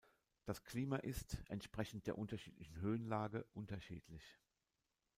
Das Klima ist, entsprechend der unterschiedlichen Höhenlage, unterschiedlich.